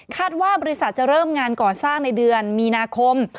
ว่าบริษัทจะเริ่มงานก่อสร้างในเดือนมีนาคม